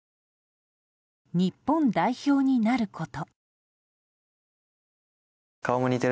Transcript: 日本代表になること。